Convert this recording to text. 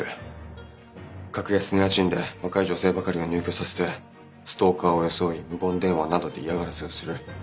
格安の家賃で若い女性ばかりを入居させてストーカーを装い無言電話などで嫌がらせをする。